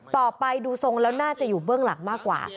ต่อไปดูทรงแล้วน่าจะอยู่เบื้องหลังมากกว่า